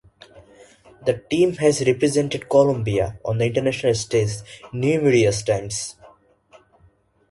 The team has represented Colombia on the international stage numerous times.